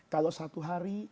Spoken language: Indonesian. kalau satu hari